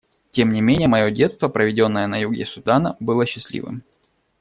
Тем не менее мое детство, проведенное на юге Судана, было счастливым.